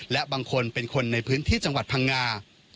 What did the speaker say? และบางคนเป็นคนในพื้นที่จังหวัดพังงา